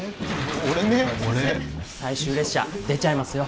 俺ね俺最終列車出ちゃいますよ